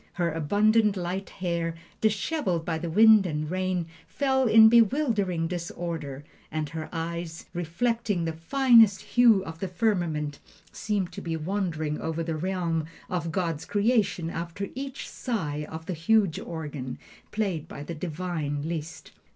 "Her abundant light hair, disheveled by the wind and rain, fell in bewildering disorder, and her eyes, reflecting the finest hue of the firmament, seemed to be wandering over the realm of God's creation after each sigh of the huge organ, played by the divine Liszt.